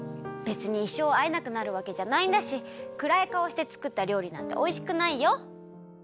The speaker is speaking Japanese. べつにいっしょうあえなくなるわけじゃないんだしくらいかおしてつくったりょうりなんておいしくないよ！